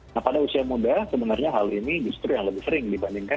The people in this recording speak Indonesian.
nah pada usia muda sebenarnya hal ini justru yang lebih sering dibandingkan